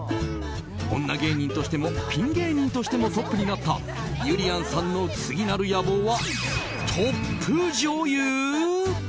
女芸人としてもピン芸人としてもトップになったゆりやんさんの次なる野望はトップ女優？